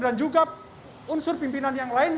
dan juga unsur pimpinan yang lain